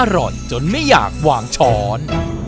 อร่อยจนไม่อยากวางช้อน